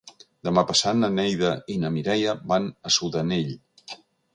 Demà passat na Neida i na Mireia van a Sudanell.